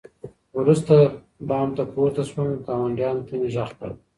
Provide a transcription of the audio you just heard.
وروسته بام ته پورته سوم، ګاونډيانو ته مي ږغ کړ